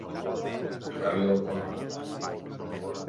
Tocar-li el cor.